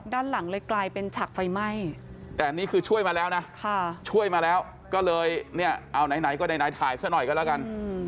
ด้านหลังเลยกลายเป็นฉากไฟไหม้แต่อันนี้คือช่วยมาแล้วนะช่วยมาแล้วก็เลยเนี่ยเอาไหนก็ไหนถ่ายซะหน่อยก็แล้วกัน